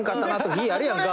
日あるやんか。